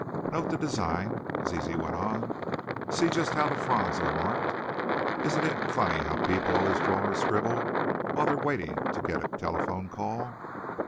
"Note the design," Zizi went on, "see just how the fronds are marked. Isn't it funny how people always draw or scribble while they're waiting to get a telephone call?"